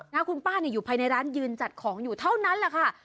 นะคุณป้าเนี่ยอยู่ภายในร้านยืนจัดของอยู่เท่านั้นแหละค่ะ